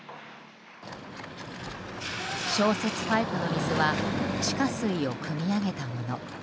消雪パイプの水は地下水をくみ上げたもの。